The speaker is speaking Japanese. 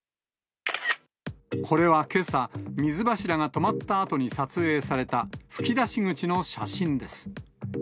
これはけさ、水柱が止まったあとに撮影された噴き出し口の写真です。